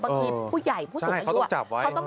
พวกผู้ใหญ่ผู้สูงอายุเขาต้องจับ